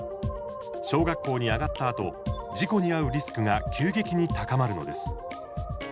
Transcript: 小学校に上がったあと事故に遭うリスクが急激に高まるのです。